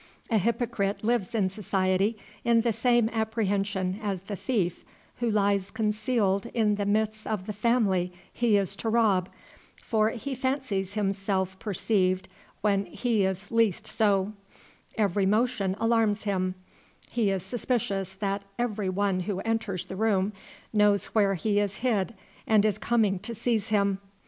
A hypocrite lives in society in the same apprehension as the thief who lies concealed in the midst of the family he is to rob, for he fancies himself perceived when he is least so; every motion alarms him; he is suspicious that every one who enters the room knows where he is hid and is coming to seize him.